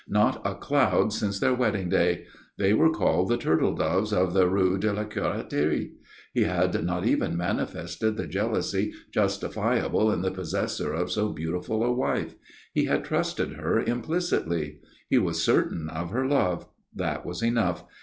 Not a cloud since their wedding day. They were called the turtle doves of the Rue de la Curatterie. He had not even manifested the jealousy justifiable in the possessor of so beautiful a wife. He had trusted her implicitly. He was certain of her love. That was enough.